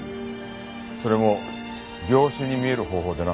それも病死に見える方法でな。